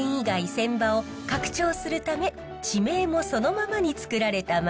船場を拡張するため地名もそのままにつくられた町。